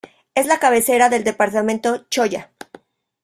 Es la cabecera del departamento Choya.